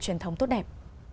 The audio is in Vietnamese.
truyền thống tốt đẹp